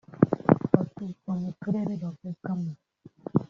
batuzwa mu Turere bavukamo